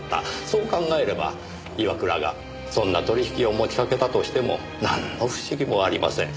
そう考えれば岩倉がそんな取引を持ちかけたとしてもなんの不思議もありません。